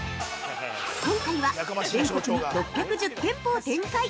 ◆今回は全国に６１０店舗を展開！